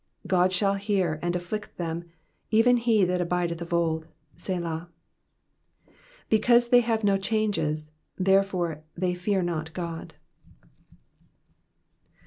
19 God shall hear, and afflict them, even he that abideth of old. Selah. Because they have no changes, therefore they fear not God.